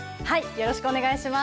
よろしくお願いします。